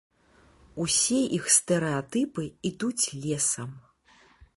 Усе іх стэрэатыпы ідуць лесам.